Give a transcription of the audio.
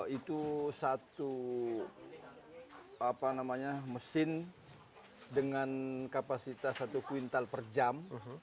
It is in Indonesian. itu satu mesin dengan kapasitas satu kuintal per jam